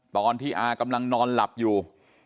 ตอนที่อากำลังนอนหลับอยู่